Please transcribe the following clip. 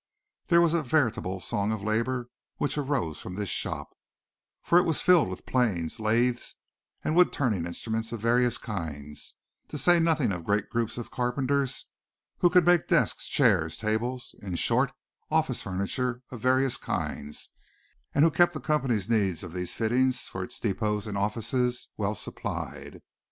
There was a veritable song of labor which arose from this shop, for it was filled with planes, lathes and wood turning instruments of various kinds, to say nothing of a great group of carpenters who could make desks, chairs, tables, in short, office furniture of various kinds, and who kept the company's needs of these fittings for its depots and offices well supplied.